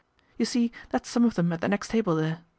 You see that's some of them at the next table there.